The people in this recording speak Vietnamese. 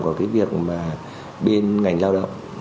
còn cái việc mà bên ngành lao động